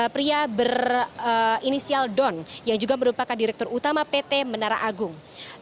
pria berinisial don yang juga merupakan direktur utama pt menara agung